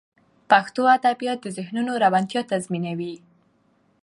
پښتو ادبیات د ذهنونو روڼتیا تضمینوي.